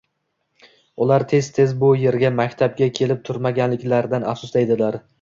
Ular tez-tez bu erga maktabga kelib turmaganliklaridan afsusda edilar